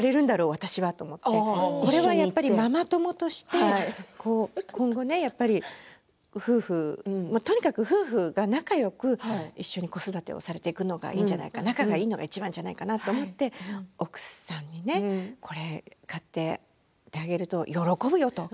私はと思ってこれはやっぱり、ママ友として今後、夫婦とにかく夫婦仲よく一緒に子育てをされていくのがいいんじゃないかと仲がいいのがいちばんじゃないかなと思って奥さんにこれ買ってあげると喜ぶよと。